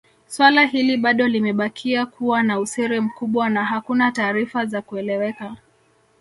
Swala hili bado limebakia kuwa na usiri mkubwa na hakuna taarifa za kueleweka